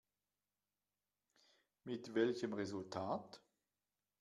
Mit welchem Resultat?